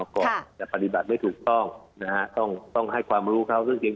แล้วก็จะปฏิบัติไม่ถูกต้องต้องให้ความรู้เข้า